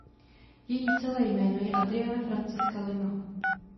Její celé jméno je Adriana Francesca Lima.